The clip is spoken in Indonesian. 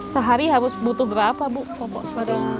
sehari harus butuh berapa bu popok seharian